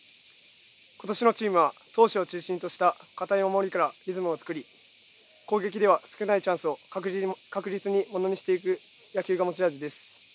今年のチームは投手を中心とした堅い守りからリズムを作り攻撃では、少ないチャンスを確実にものにしていく野球が持ち味です。